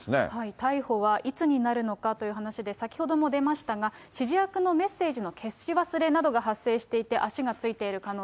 逮捕はいつになるのかという話で、先ほども出ましたが、指示役のメッセージの消し忘れなどが発生していて、足がついている可